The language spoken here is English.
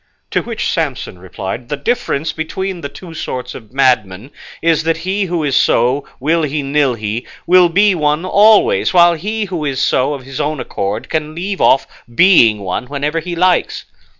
To which Samson replied, "The difference between the two sorts of madmen is, that he who is so will he nil he, will be one always, while he who is so of his own accord can leave off being one whenever he likes."